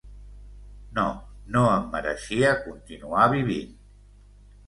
No, no em mereixia continuar vivint.